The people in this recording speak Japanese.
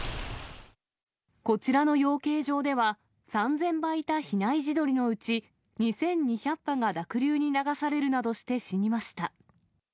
こちらの養鶏場では、３０００羽いた比内地鶏のうち、２２００羽が濁流に流されるなどして死にました。